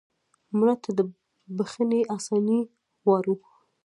مړه ته د بښنې آساني غواړو